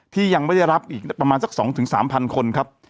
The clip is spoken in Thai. ที่ยังไม่ได้รับอีกประมาณสัก๒๓๐๐คนครับ